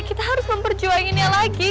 kita harus memperjuanginnya lagi